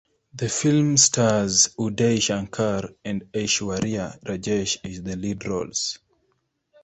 The film stars Uday Shankar and Aishwarya Rajesh in the lead roles.